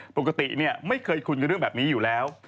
ปกติไม่เคยคุยกับเรื่องแบบนี้อยู่แล้ว